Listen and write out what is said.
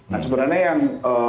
nah sebenarnya yang